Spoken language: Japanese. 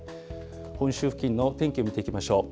本州付近の天気、見ていきましょう。